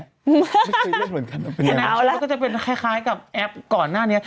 ไม่เคยเล่นเหมือนกันเป็นไงมันจะเป็นคล้ายกับแอปก่อนหน้านี้